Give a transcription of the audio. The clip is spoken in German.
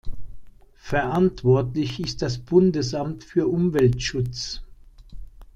Verantwortlich ist das Bundesamt für Umweltschutz.